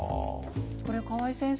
これ河合先生